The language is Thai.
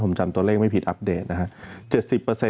ผมจำตัวเลขไม่ผิดอัปเดตนะครับ